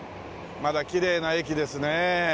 まだきれいな駅ですね。